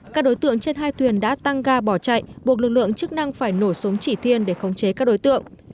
các đối tượng trên hai thuyền đã tăng ga bỏ chạy buộc lực lượng chức năng phải nổ súng chỉ thiên để khống chế các đối tượng